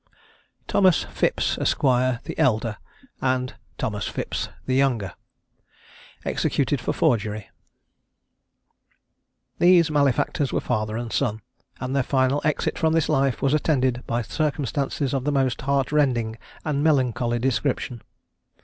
THOMAS PHIPPS, ESQ. THE ELDER, AND THOMAS PHIPPS, THE YOUNGER. EXECUTED FOR FORGERY. These malefactors were father and son; and their final exit from this life was attended by circumstances of the most heart rending and melancholy description.